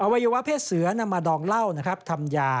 อวัยวะเพศเสือนำมาดองเหล้าทำยา